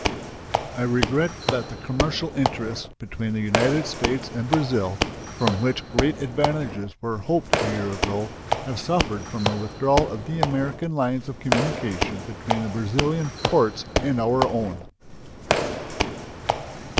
I regret that the commercial interests between the United States and Brazil, from which great advantages were hoped a year ago, have suffered from the withdrawal of the American lines of communication between the Brazilian ports and our own.